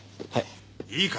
いいか？